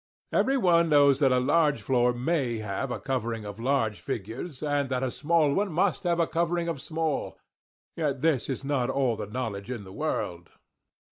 _Every one knows that a large floor _may _have a covering of large figures, and that a small one must have a covering of small—yet this is not all the knowledge in the world.